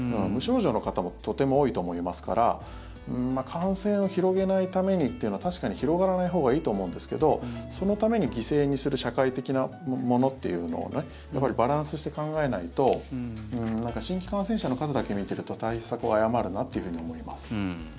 無症状の方もとても多いと思いますから感染を広げないためにっていうのは確かに広がらないほうがいいと思うんですけどそのために犠牲にする社会的なものというのをバランスして考えないと新規感染者の数だけ見ていると対策を誤るなというふうに思います。